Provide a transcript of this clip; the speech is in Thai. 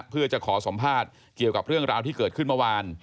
เพื่อจะขอสัมภาษณ์เกี่ยวกับเรื่องราวที่เกิดขึ้นเมื่อวาน